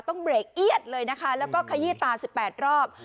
ต้องเบรกเอียดเลยนะคะแล้วก็ขยี้ตา๑๘รอบ